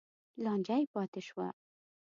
لانجه یې پاتې شوه.